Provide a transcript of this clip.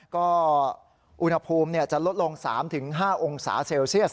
ก็อุณหภูมิจะลดลง๓๕องศาเซลเซียส